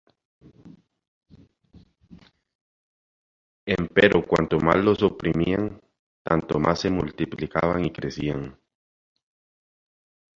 Empero cuanto más los oprimían, tanto más se multiplicaban y crecían.